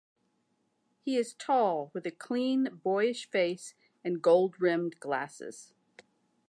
He is tall, with a clean boyish face and gold-rimmed glasses.